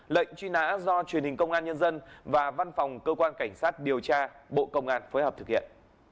lệnh truy nã do truyền hình công an nhân dân và văn phòng cơ quan cảnh sát điều tra bộ công an phối hợp thực hiện